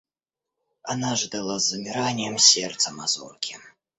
Она ждала с замиранием сердца мазурки.